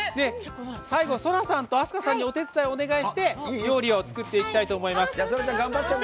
最後、そらさんと明日香さんにお手伝いをお願いして作っていきたいと思います。